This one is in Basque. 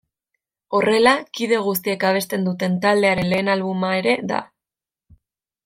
Horrela, kide guztiek abesten duten taldearen lehen albuma ere da.